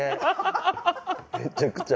めちゃくちゃ。